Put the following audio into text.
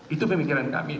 itu pemikiran kami